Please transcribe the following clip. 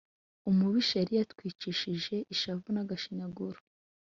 Umubisha yari yatwicishije ishavu n'agashinyaguro